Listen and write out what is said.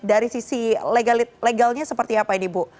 dari sisi legalnya seperti apa ini bu